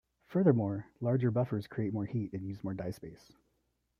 Furthermore, larger buffers create more heat and use more die space.